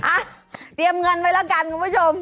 อ่ะเตรียมเงินไว้แล้วกันคุณผู้ชม